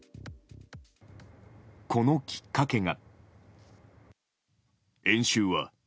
このきっかけが。